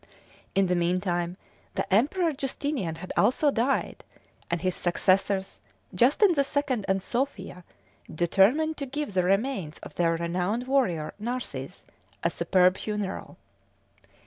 In the meantime, the Emperor Justinian had also died, and his successors, Justin the Second and Sophia, determined to give the remains of their renowned warrior, Narses, a superb funeral.